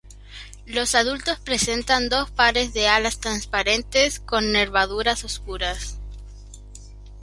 Los adultos presentan dos pares de alas transparentes con nervaduras oscuras.